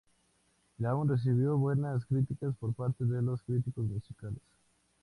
El álbum recibió buenas críticas por parte de los críticos musicales.